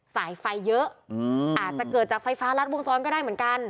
สายไฟเยอะอาจจะเกิดจากไฟฟ้ารัดวงจรก็ได้เหมือนกัน